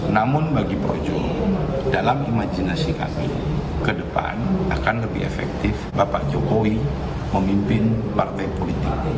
namun bagi projo dalam imajinasi kami ke depan akan lebih efektif bapak jokowi memimpin partai politik